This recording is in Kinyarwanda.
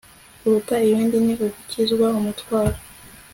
kuruta ibindi ni ugukizwa umutwaro